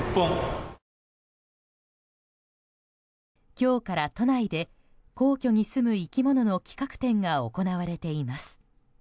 今日から都内で皇居に住む生き物の企画展が行われています。